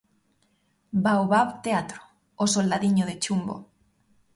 Baobab Teatro, "O soldadiño de chumbo".